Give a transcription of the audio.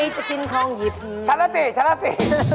ใครจะกินของหิบชาติ